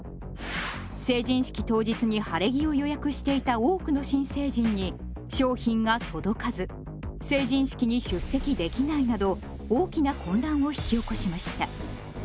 成人式当日に晴れ着を予約していた多くの新成人に商品が届かず成人式に出席できないなど大きな混乱を引き起こしました。